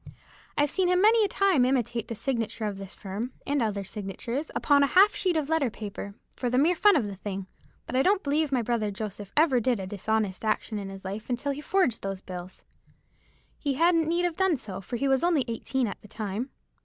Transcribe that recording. I've seen him many a time imitate the signature of this firm, and other signatures, upon a half sheet of letter paper, for the mere fun of the thing: but I don't believe my brother Joseph ever did a dishonest action in his life until he forged those bills. He hadn't need have done so, for he was only eighteen at the time."